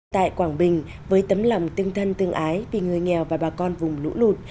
tại quảng bình với tấm lòng tương thân tương ái vì người nghèo và bà con vùng lũ lụt